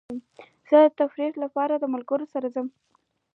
زه د تفریح لپاره د ملګرو سره ځم.